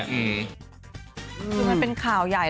คือมันเป็นข่าวใหญ่